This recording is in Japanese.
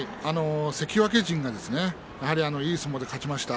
関脇陣がいい相撲で勝ちました。